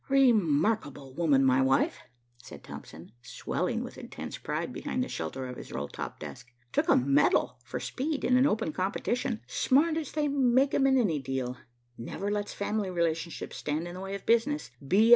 "Remarkable woman, my wife," said Thompson, swelling with intense pride behind the shelter of his rolltop desk. "Took a medal for speed in an open competition. Smart as they make 'em in any deal. Never lets family relationships stand in the way of business.